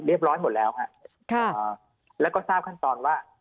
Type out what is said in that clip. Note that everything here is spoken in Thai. เรียบร้อยหมดแล้วค่ะแล้วก็ทราบขั้นตอนว่า